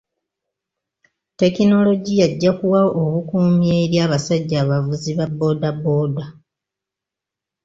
Tekinologiya ajja kuwa obukuumi eri abasajja abavuzi ba booda booda.